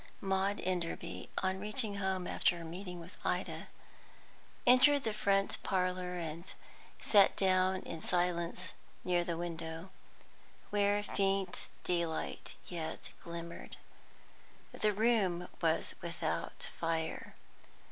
Maud Enderby, on reaching home after her meeting with Ida, entered the front parlour, and sat down in silence near the window, where faint daylight yet glimmered. The room was without fire.